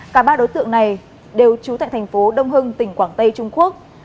cả ba đối tượng này đều trú tại tp đông hưng tỉnh quảng tây trung quốc